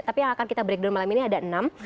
tapi yang akan kita breakdown malam ini ada enam